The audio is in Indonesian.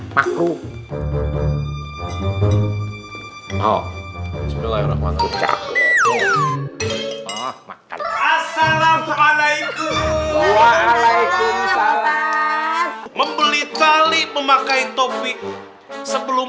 makro oh bismillahirrahmanirrahim assalamualaikum waalaikumsalam membeli tali memakai topi sebelum